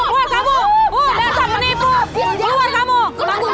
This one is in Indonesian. keluar kamu tanggung jawab